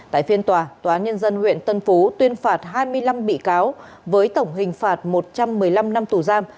tại phiên tòa tòa nhân dân huyện tân phú tuyên phạt hai mươi năm bị cáo với tổng hình phạt một trăm một mươi năm năm tù giam